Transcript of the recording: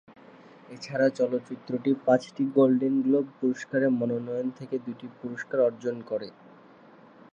এছাড়া চলচ্চিত্রটি পাঁচটি গোল্ডেন গ্লোব পুরস্কারের মনোনয়ন থেকে দুটি পুরস্কার অর্জন করে।